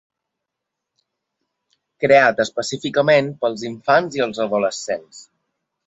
Creat específicament per als infants i adolescents.